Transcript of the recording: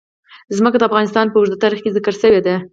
ځمکه د افغانستان په اوږده تاریخ کې ذکر شوی دی.